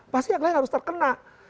pasti yang lain harus terkena